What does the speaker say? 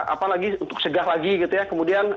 apa lagi untuk segar lagi gitu ya kemudian